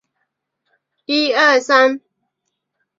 但这个带钩箭号有时只留作表示包含映射时用。